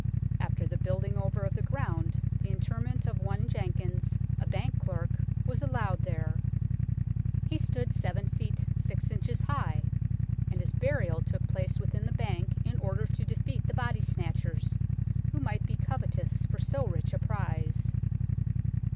After the building over of the ground the interment of one Jenkins, a Bank clerk, was allowed there. He stood 7 feet 6 inches high, and his burial took place within the bank in order to defeat the body snatchers, who might be covetous for so rich a prize.